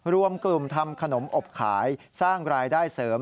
รวมกลุ่มทำขนมอบขายสร้างรายได้เสริม